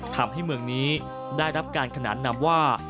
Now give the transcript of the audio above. ทำให้เมืองนี้ได้รับการขนานนำว่า